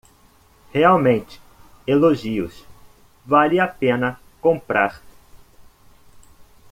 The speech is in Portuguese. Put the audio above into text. Realmente elogios, vale a pena comprar